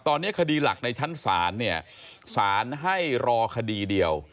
ตอนนี้คดีหลักในชั้นศาลเนี่ยสารให้รอคดีเดียว